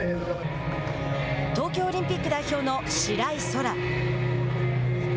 東京オリンピック代表の白井空良。